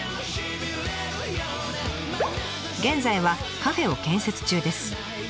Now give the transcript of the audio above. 現在はカフェを建設中です。